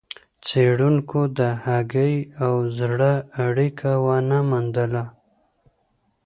څېړونکو د هګۍ او زړه اړیکه ونه موندله.